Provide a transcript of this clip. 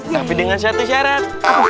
tapi dengan satu syarat